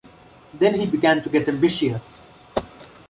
Then he began to get ambitious.